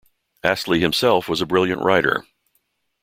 Astley himself was a brilliant rider.